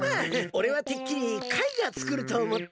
おれはてっきりカイがつくるとおもって。